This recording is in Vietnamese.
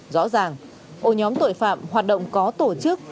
rõ ràng ổ nhóm tội phạm hoạt động có tổ chức